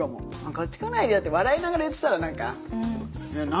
「こっち来ないでよ」って笑いながら言ってたら何か「何？」